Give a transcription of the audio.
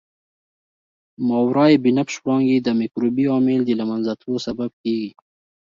ماورای بنفش وړانګې د مکروبي عامل د له منځه تلو سبب کیږي.